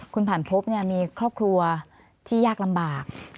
คุณผ่านพบมีครอบครัวที่ยากลำบาก